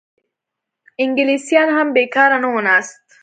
انګلیسیان هم بېکاره نه وو ناست.